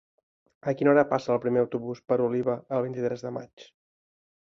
A quina hora passa el primer autobús per Oliva el vint-i-tres de maig?